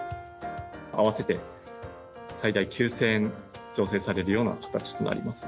合わせて最大９０００円、助成されるような形となります。